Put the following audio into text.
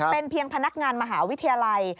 เป็นเพียงพนักงานมหาวิทยาลัย